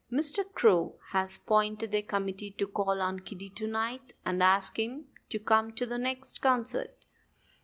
Mr. Crow has appointed a committee to call on Kiddie to night and ask him to come to the next concert."